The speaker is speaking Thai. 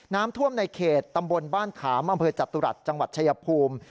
น้ำท่วมในเขตตำบลบ้านขามอำเภอจตุรัสจังหวัดชายภูมิ